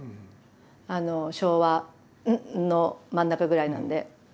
昭和の真ん中ぐらいなんで。